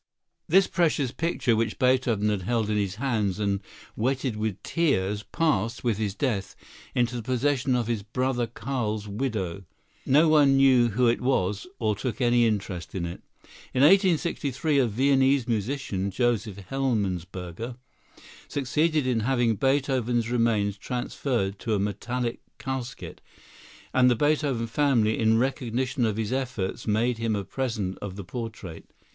This precious picture, which Beethoven had held in his hands and wetted with his tears, passed, with his death, into the possession of his brother Carl's widow. No one knew who it was, or took any interest in it. In 1863 a Viennese musician, Joseph Hellmesberger, succeeded in having Beethoven's remains transferred to a metallic casket, and the Beethoven family, in recognition of his efforts, made him a present of the portrait.